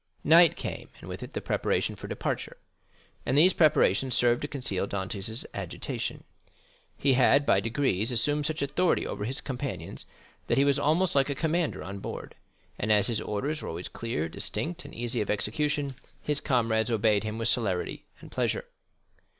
Night came, and with it the preparation for departure, and these preparations served to conceal Dantès' agitation. He had by degrees assumed such authority over his companions that he was almost like a commander on board; and as his orders were always clear, distinct, and easy of execution, his comrades obeyed him with celerity and pleasure.